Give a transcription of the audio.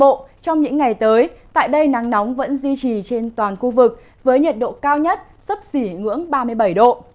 khu vực các tỉnh nam bộ trong những ngày tới tại đây nắng nóng vẫn duy trì trên toàn khu vực với nhiệt độ cao nhất sấp xỉ ngưỡng ba mươi bảy độ